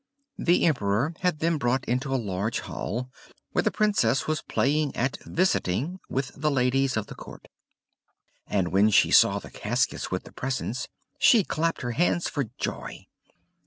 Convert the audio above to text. The Emperor had them brought into a large hall, where the Princess was playing at "Visiting," with the ladies of the court; and when she saw the caskets with the presents, she clapped her hands for joy.